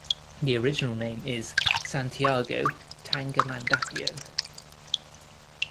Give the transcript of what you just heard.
The original name is Santiago Tangamandapio.